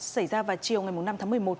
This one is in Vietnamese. xảy ra vào chiều ngày năm tháng một mươi một